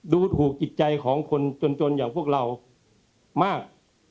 ดูถูกจิตใจของคนจนอย่างพวกเรามาก